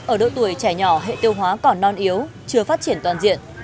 ở độ tuổi trẻ nhỏ hệ tiêu hóa còn non yếu chưa phát triển toàn diện